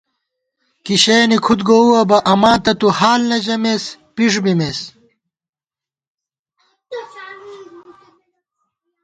کِی شَیَنی کھُد گووُوَہ بہ، اماں تہ تُوحال نہ ژَمېس پݭ بِمېس